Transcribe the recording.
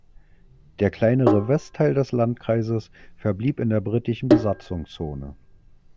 Der kleinere Westteil des Landkreises verblieb in der Britischen Besatzungszone.